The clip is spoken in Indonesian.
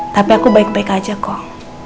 tapi aku baik baik aja kok